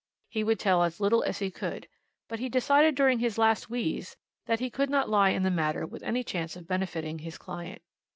He would tell as little as he could; but he decided during his last wheeze, that he could not lie in the matter with any chance of benefiting his client.